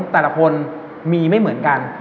แต่ละคนมีไม่เหมือนกัน